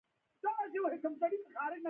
هر لیکل شوی فکر د یو ذهن استازیتوب کوي.